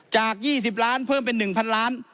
จาก๒๐ล้านเพิ่มเป็น๑๐๐ล้าน